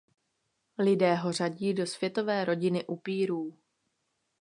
Lidé ho řadí do světové rodiny upírů.